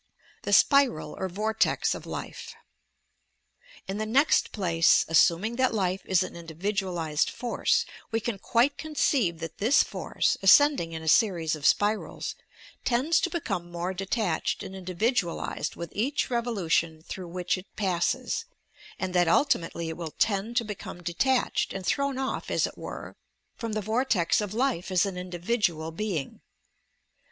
THE SPIHAL OB VOBTEX OP LIFE In the next place, assuming that life is an individ ualized force, we can quite conceive that this force, ascending in a series of spirals, tends to become more detached and individualized with each revolutiou through which it passes, and that ultimately it will tend to become detached and thrown off, as it were, from the I REINCARNATION 289 vortex of life as au individual being.